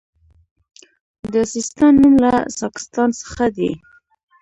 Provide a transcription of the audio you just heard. د سیستان نوم له ساکستان څخه دی